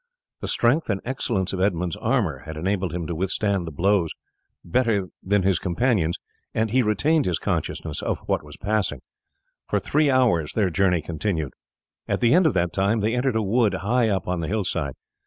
The strength and excellence of Edmund's armour had enabled him to withstand the blows better than his companions, and he retained his consciousness of what was passing. For three hours their journey continued. At the end of that time they entered a wood high up on the hillside.